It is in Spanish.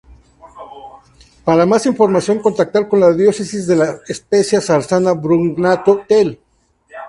Para más información, contactar con la Diócesis de La Spezia-Sarzana-Brugnato, tel.